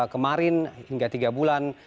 kemarin hingga tiga bulan